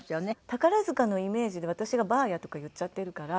宝塚のイメージで私が「ばあや」とか言っちゃってるから。